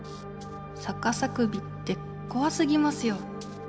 「さかさ首」ってこわすぎますよ。